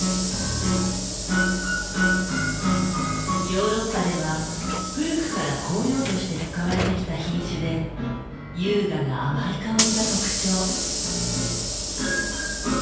ヨーロッパでは古くから香料として使われてきた品種で優雅な甘い香りが特徴。